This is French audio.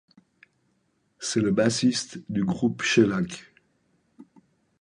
C'est le bassiste du groupe Shellac.